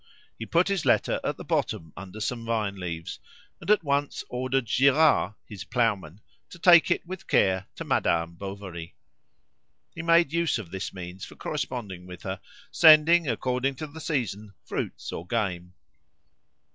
He put his letter at the bottom under some vine leaves, and at once ordered Girard, his ploughman, to take it with care to Madame Bovary. He made use of this means for corresponding with her, sending according to the season fruits or game.